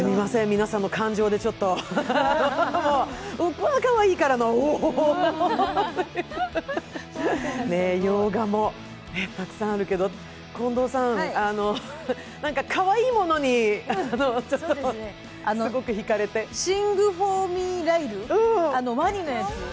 皆さんの感情でちょっとうわかわいいからのおお洋画もたくさんあるけど近藤さん何かかわいいものにすごく引かれて「シング・フォー・ミー、ライル」ワニのやつ